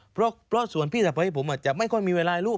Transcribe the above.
เพราะส่วนพี่ทัพให้ผมจะไม่ค่อยมีเวลาให้ลูก